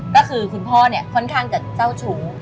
ก็คือคุณพ่อค่อนข้างที่เจ้าสูร